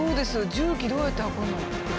重機どうやって運んだ。